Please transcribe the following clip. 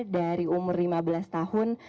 dari umur lima belas tahun